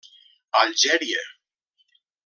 Algèria.